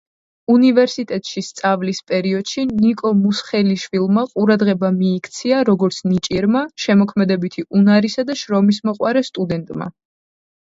უნივერსიტეტში სწავლის პერიოდში ნიკო მუსხელიშვილმა ყურადღება მიიქცია როგორც ნიჭიერმა, შემოქმედებითი უნარისა და შრომისმოყვარე სტუდენტმა.